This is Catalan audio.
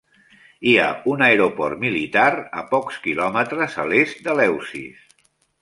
Hi ha un aeroport militar a pocs quilòmetres a l'est d'Eleusis.